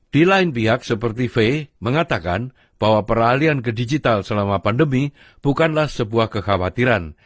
di lain pihak seperti faye mengatakan bahwa peralian ke digital selama pandemi bukanlah sebuah kekhawatiran